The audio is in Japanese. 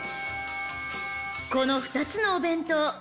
［この２つのお弁当］